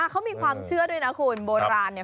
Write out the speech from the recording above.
เขามีความเชื่อด้วยนะคุณโบราณเนี่ย